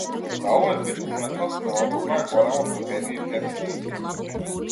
За овој вид уметност неопходно е големо трпение и прецизност.